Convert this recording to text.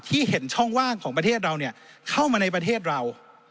เห็นช่องว่างของประเทศเราเข้ามาในประเทศเรา